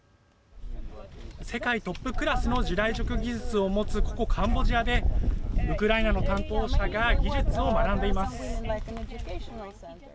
世界トップクラスの地雷除去技術を持つここカンボジアでウクライナの担当者が技術を学んでいます。